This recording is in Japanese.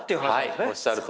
おっしゃるとおりです。